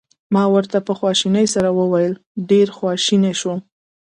ما ورته په خواشینۍ سره وویل: ډېر خواشینی شوم.